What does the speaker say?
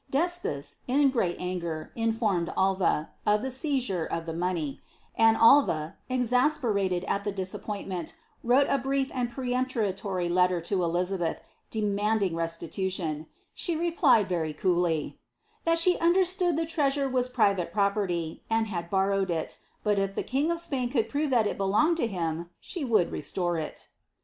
D''Espes, in great anger, informed Alva, of the seizure of the money ; and Alva, exasperated at the disappointment, wrote a brief and peremptory letter to Elizabeth, demanding restitution. She replied, very coolly, "that she understood the treasure was private property* and had borrowed it ; but if the king of Spain could prove thai it belonged to him, she would restore it.